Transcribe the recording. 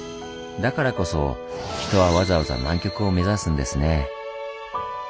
だからこそ人はわざわざ南極を目指すんですね。